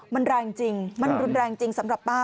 มันแรงจริงมันรุนแรงจริงสำหรับป้า